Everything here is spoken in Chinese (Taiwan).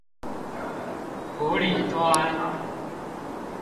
埔里端